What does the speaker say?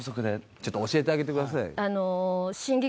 ちょっと教えてあげてください。